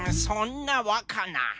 そんなわかな。